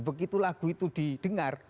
begitu lagu itu didengar